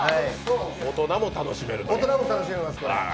大人も楽しめます、これ。